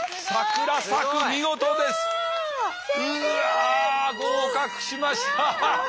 うわ合格しました。